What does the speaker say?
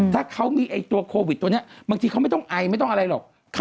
ถ้าเขามีตัวโควิดตัวนี้บางทีเขาไม่ต้องไอไม่ต้องอะไรหรอก